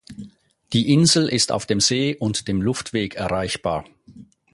Die Insel ist auf dem See- und dem Luftweg erreichbar.